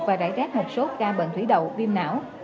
và rải rác một số ca bệnh thủy đậu viêm não